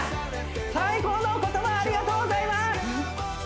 最高の言葉ありがとうございますＯＫ！